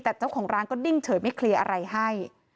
แต่เจ้าของร้านก็นิ่งเฉยไม่เคลียร์อะไรให้